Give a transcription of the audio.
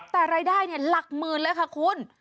แต่รายได้หลักหมื่นเลยค่ะคุณ